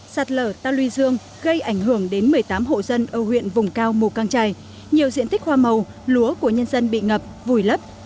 sạt lở ta luy dương gây ảnh hưởng đến một mươi tám hộ dân ở huyện vùng cao mù căng trải nhiều diện tích hoa màu lúa của nhân dân bị ngập vùi lấp